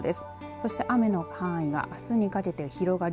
そして雨の範囲があすにかけて広がり